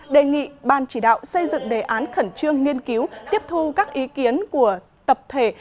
đề nghị ban chỉ đạo xây dựng đề án khẩn trương nghiên cứu tiếp thu các ý kiến của tập thể